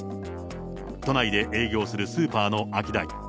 都内で営業するスーパーのアキダイ。